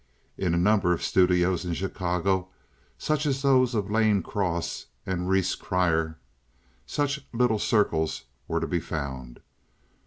In a number of studios in Chicago such as those of Lane Cross and Rhees Crier, such little circles were to be found.